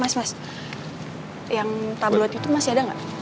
mas mas yang tabloid itu masih ada gak